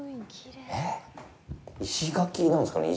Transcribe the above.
石垣なんですかね。